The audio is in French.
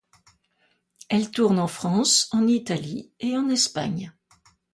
Elle tourne en France, en Italie et en Espagne.